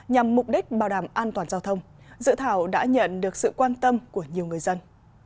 nhằm mục đích bảo đảm an toàn giao thông dự thảo đã nhận được sự quan tâm của nhiều người dân